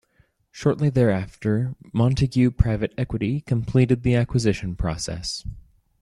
Shortly thereafter, Montague Private Equity completed the acquisition process.